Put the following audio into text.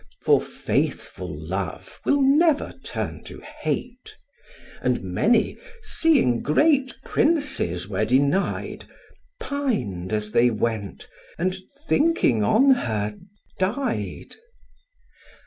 For faithful love will never turn to hate; And many, seeing great princes were denied, Pin'd as they went, and thinking on her died.